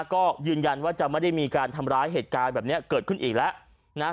ก็ยืนยันว่าจะไม่ได้มีการทำร้ายเหตุการณ์แบบนี้เกิดขึ้นอีกแล้วนะ